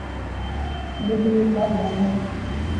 لیکن ایک بات واضح ہے۔